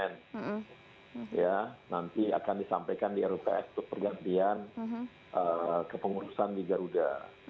nanti akan disampaikan di rups untuk pergantian kepengurusan di garuda